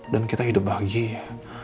dan kita hidup bahagia